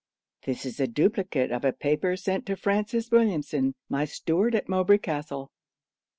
'(This is a duplicate of a paper sent to Francis Williamson, my steward at Mowbray Castle.)